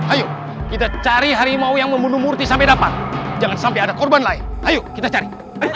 ayo kita cari harimau yang membunuh murti sampai dapat jangan sampai ada korban lain ayo kita cari